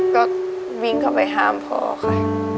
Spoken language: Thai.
ก็วิ่งเข้าไปห้ามพ่อค่ะ